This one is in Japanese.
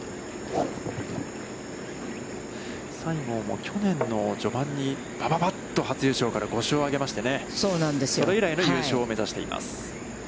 西郷も去年の序盤に、ばばばっと初優勝から５勝を挙げまして、それ以来の優勝を目指しています。